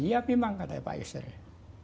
iya iya memang katanya pak yusril